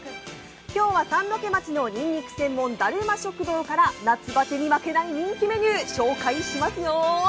今日は三戸町のにんにく専門だるま食堂から夏バテに負けない人気メニュー紹介しますよ。